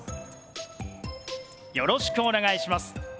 よろしくお願いします。